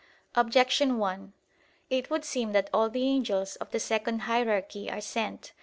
Objection 1: It would seem that all the angels of the second hierarchy are sent.